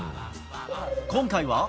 今回は。